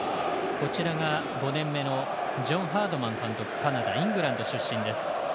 ５年目のジョン・ハードマン監督、カナダイングランド出身です。